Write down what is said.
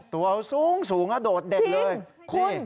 ตัวสูงอะโดดเด็ดเลย